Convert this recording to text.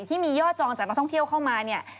ที่มียอดจองจากนักท่องเที่ยวเข้ามาเนี่ย